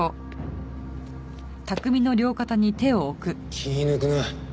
気抜くな。